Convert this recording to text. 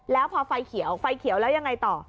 แล้วพอไฟเขียวไฟเขียวแล้วยังไงต่อ